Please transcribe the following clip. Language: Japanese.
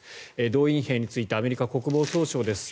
動員兵についてアメリカ国防総省です。